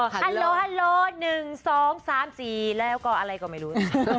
ฮัลโลฮาโล๑๒๓๔แล้วก็อะไรก็ไม่รู้